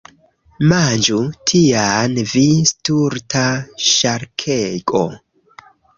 Manĝu tian! Vi stulta ŝarkego!